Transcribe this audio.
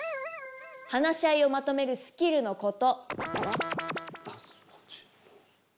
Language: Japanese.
話し合いをまとめるスキルのこと。